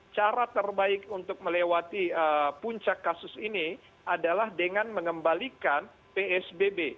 cara terbaik untuk melewati puncak kasus ini adalah dengan mengembalikan psbb